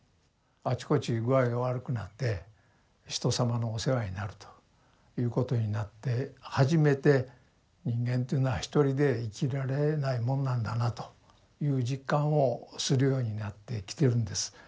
あちこち具合が悪くなって他人様のお世話になるということになって初めて人間というのは一人で生きられないもんなんだなという実感をするようになってきているんです。